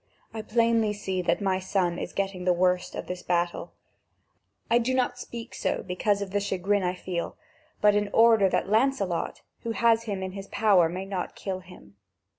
I plainly see that my son is getting the worst of this battle; I do not speak so because of the chagrin I feel, but in order that Lancelot, who has him in his power, may not kill him.